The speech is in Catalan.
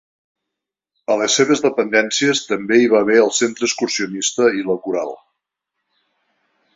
A les seves dependències també hi va haver el centre excursionista i la coral.